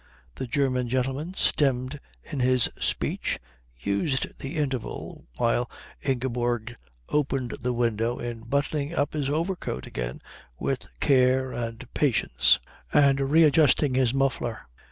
The German gentleman, stemmed in his speech, used the interval while Ingeborg opened the window in buttoning up his overcoat again with care and patience and readjusting his muffler.